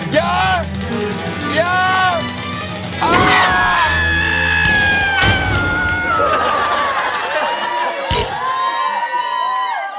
แย่แย่